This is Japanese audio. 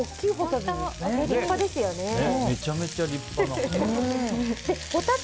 めちゃめちゃ立派なホタテ。